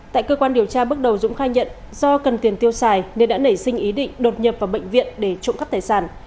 tại cơ quan điều tra bước đầu dũng khai nhận do cần tiền tiêu xài nên đã nảy sinh ý định đột nhập vào bệnh viện để trộm cắp tài sản